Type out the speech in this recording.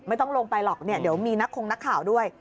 ไม่ต้องลงไปหรอกเนี่ยเดี๋ยวมีนักคงนักข่าวด้วย